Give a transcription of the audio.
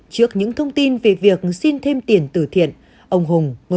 trước những thông tin về cuộc sống của ông hùng đàn di băng đã bày tỏ sự thất vọng cho thông tin ông hùng